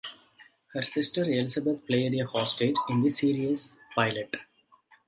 Her sister Elizabeth played a hostage in the series pilot.